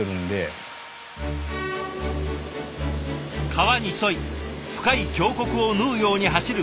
川に沿い深い峡谷を縫うように走るこの鉄道。